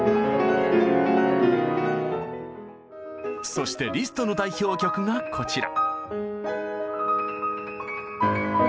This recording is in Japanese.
そしてリストの代表曲がこちら。